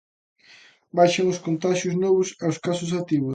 Baixan os contaxios novos e os casos activos.